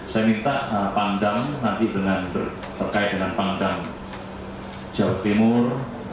saya minta pangdam nanti terkait dengan pangdam jawa timur